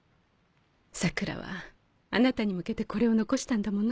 桜良はあなたに向けてこれを残したんだもの。